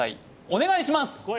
お願いします